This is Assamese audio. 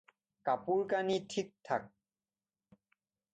কাপোৰ কাণি ঠিকঠাক